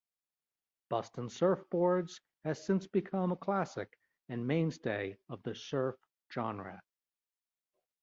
"Bustin' Surfboards" has since become a classic and mainstay of the surf genre.